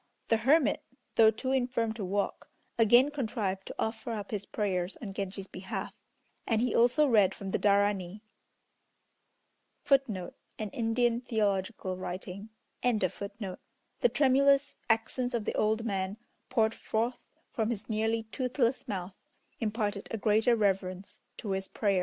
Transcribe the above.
The hermit though too infirm to walk again contrived to offer up his prayers on Genji's behalf, and he also read from the Darani. The tremulous accents of the old man poured forth from his nearly toothless mouth imparted a greater reverence to his prayers.